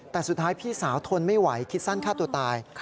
แต่สุดท้ายพี่สาวทนไม่ไหวคิดสั้นฆ่าตัวตาย